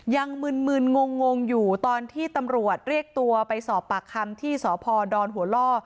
มึนงงอยู่ตอนที่ตำรวจเรียกตัวไปสอบปากคำที่สพดหัวล่อ